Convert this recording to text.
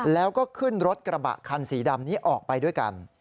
แล้วก็ขึ้นรถกระบะคันสีดำนี้ออกไปด้วยกัน